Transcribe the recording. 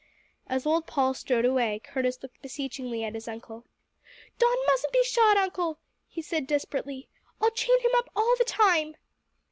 As old Paul strode away, Curtis looked beseechingly at his uncle. "Don mustn't be shot, Uncle!" he said desperately. "I'll chain him up all the time."